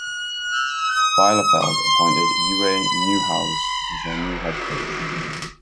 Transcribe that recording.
Bielefeld appointed Uwe Neuhaus as their new head coach.